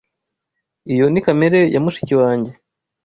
Iyo ni kamera ya mushiki wanjye.